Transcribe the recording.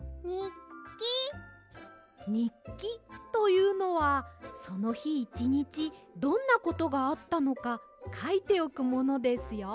にっきというのはそのひいちにちどんなことがあったのかかいておくものですよ。